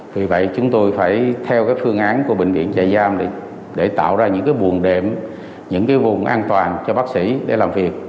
vì vậy chúng tôi phải theo phương án của bệnh viện chạy giam để tạo ra những buồn đệm những cái vùng an toàn cho bác sĩ để làm việc